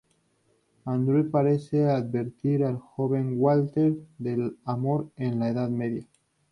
Andreas parece advertir al joven Walter del amor en la Edad Media.